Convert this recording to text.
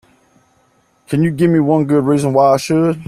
Can you give me one good reason why I should?